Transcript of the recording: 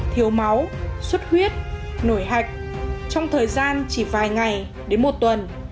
thiếu máu xuất huyết nổi hạch trong thời gian chỉ vài ngày đến một tuần